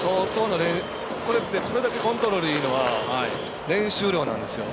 これだけコントロールいいのは練習量なんですよ。